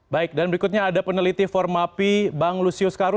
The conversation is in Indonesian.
baik dan berikutnya ada peneliti formapi bang lusius karu